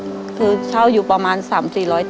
มันก็จะมีความสุขมีรอยยิ้ม